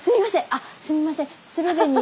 あっすみません。